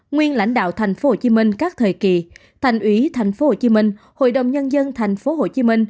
nguyên lãnh đạo tp hcm các thời kỳ thành ủy tp hcm hội đồng nhân dân tp hcm